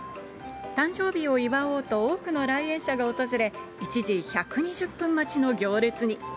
誕生日を祝おうと、多くの来園者が訪れ、一時１２０分待ちの行列に。